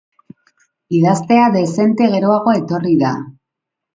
Idaztea dezente geroago etorri da.